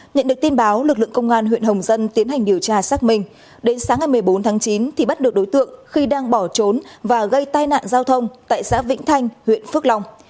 nhận được tin báo lực lượng công an huyện hồng dân tiến hành điều tra xác minh đến sáng ngày một mươi bốn tháng chín thì bắt được đối tượng khi đang bỏ trốn và gây tai nạn giao thông tại xã vĩnh thanh huyện phước long